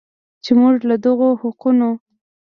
چې موږ له دغو حقونو